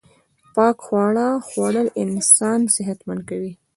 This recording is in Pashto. پاک خواړه خوړل انسان صحت منده کوی